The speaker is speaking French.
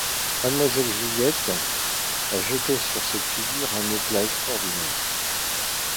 Mademoiselle Juliette a jeté sur cette figure un éclat extraordinaire.